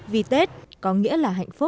vì tết có nghĩa là hạnh phúc